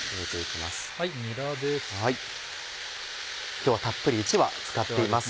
今日はたっぷり１わ使っています。